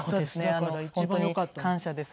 本当に感謝です